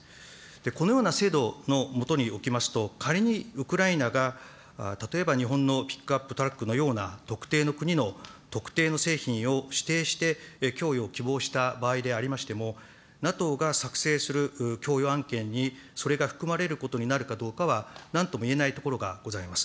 このような制度のもとにおきますと、仮にウクライナが、例えば日本のピックアップトラックのような特定の国の特定の製品を指定して供与を希望した場合でありましても、ＮＡＴＯが作成する供与案件に、それが含まれることになるかどうかは、なんとも言えないところがございます。